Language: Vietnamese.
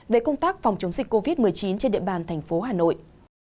về công tác phòng chống dịch covid một mươi chín trên địa bàn thành phố hà nội